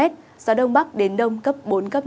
gió đông bắc đến đông cấp bốn cấp năm